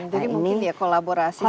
jadi mungkin ya kolaborasi semangat